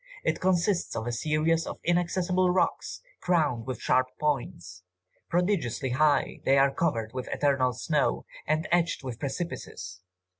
It consists of a series of inaccessible rocks, crowned with sharp points. Prodigiously high, they are covered with eternal snow, and edged with precipices.